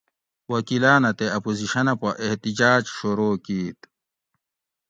وکیلاۤنہ تے اپوزیشن اۤ پا احتجاۤج شروع کیت